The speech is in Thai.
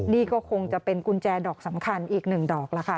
นี่ก็คงจะเป็นกุญแจดอกสำคัญอีกหนึ่งดอกล่ะค่ะ